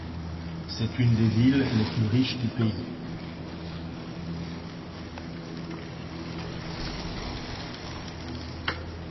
C'est une des villes les plus riches du pays.